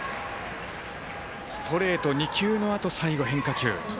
ストレート２球のあと最後、変化球。